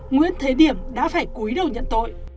nguyễn thế điểm đã phải cúi đầu nhận tội